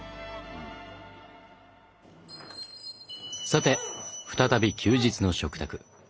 さて再び休日の食卓。